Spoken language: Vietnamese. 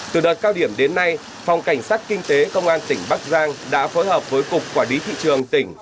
từ đợt cao điểm đến nay phòng cảnh sát kinh tế công an tỉnh bắc giang đã phối hợp với cục quản lý thị trường tỉnh